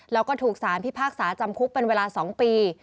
แล้วก็ถูกสารพิพากษาจำคุกเป็นเวลา๒ปี